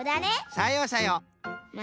さようさよう。